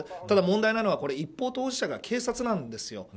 ただ問題は一方当事者が警察なんです。